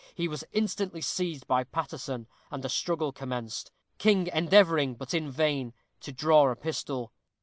He was instantly seized by Paterson, and a struggle commenced, King endeavoring, but in vain, to draw a pistol.